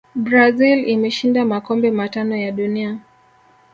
brazil imeshinda makombe matano ya dunia